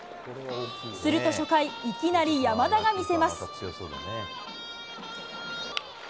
すると初回、いきなり山田が見せます。